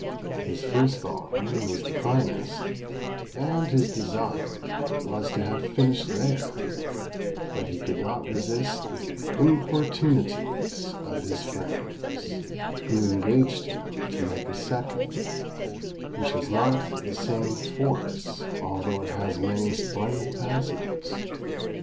His first volume is the finest; and his design was to have finished there: but he could not resist the importunities of his friends, who engaged him to make a second, which has not the same force, although it has many splendid passages.